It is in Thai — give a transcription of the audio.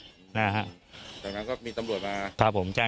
จากนั้นก็มีตำรวจมา